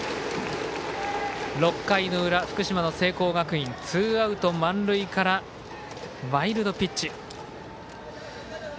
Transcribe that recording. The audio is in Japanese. ６回の裏、福島の聖光学院ツーアウト満塁からワイルドピッチ。